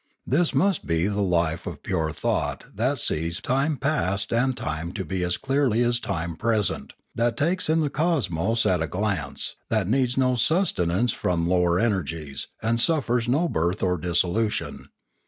This must be the life of pure thought that sees time past and time to be as clearly as time present, that takes in the cosmos at a glance, that needs no sustenance from lower energies, and suffers no birth or dissolution.